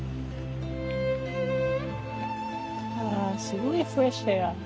あすごいフレッシュエア。